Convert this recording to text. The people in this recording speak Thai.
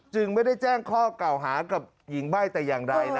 จึงไม่ได้แจ้งข้อเก่าหากับหญิงใบ้แต่อย่างใด